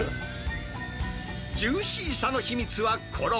ジューシーさの秘密は衣。